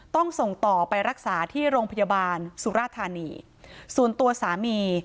ต้องส่งต่อไปรักษาที่โรงพยาบาลสุราธานีส่วนตัวสามี